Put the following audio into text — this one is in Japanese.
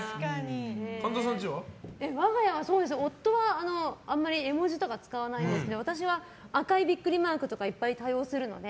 我が家、夫はあまり絵文字とか使わないんですけど私は赤いビックリマークとかいっぱい多用するので。